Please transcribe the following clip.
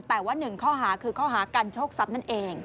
แต่ว่าหนึ่งข้อหาคือข้อหากันโชคทรัพย์นั่นเอง